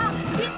tidak tidak tidak